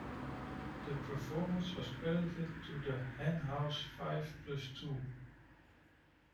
The performance was credited to the "Henhouse Five Plus Too".